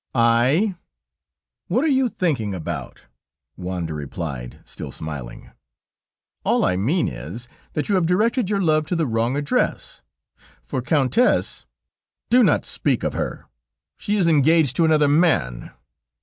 "I? What are you thinking about?" Wanda replied, still smiling; "all I mean is, that you have directed your love to the wrong address, for Countess...." "Do not speak of her; she is engaged to another man."